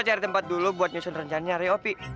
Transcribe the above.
kita cari tempat dulu buat nyusun rencananya dari opi